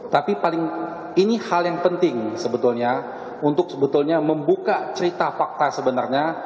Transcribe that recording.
tapi paling ini hal yang penting sebetulnya untuk sebetulnya membuka cerita fakta sebenarnya